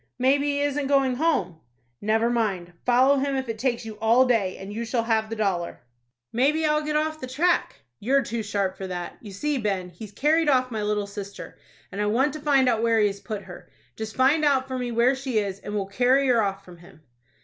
"Maybe he isn't going home." "Never mind. Follow him if it takes you all day, and you shall have the dollar." "Maybe I'll get off the track." "You're too sharp for that. You see, Ben, he's carried off my little sister, and I want to find out where he has put her. Just find out for me where she is, and we'll carry her off from him."